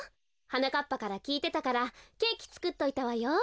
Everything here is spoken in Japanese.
はなかっぱからきいてたからケーキつくっといたわよ。